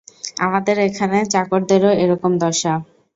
আমাদের এখানে চাকরদেরও এরকম দশা।